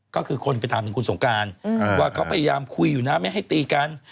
ก็คือคนไปถามถึงคุณสงการว่าเขาพยายามคุยอยู่นะไม่ให้ตีกัน